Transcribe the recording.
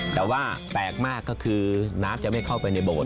แต่ว่าแปลกมากก็คือน้ำจะไม่เข้าไปในโบสถ